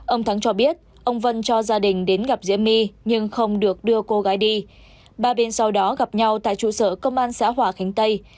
ông thắng cho biết ông vân cho gia đình đến gặp diễm my nhưng không được đưa cô gái đi ba bên sau đó gặp nhau tại trụ sở công an xã hòa khánh tây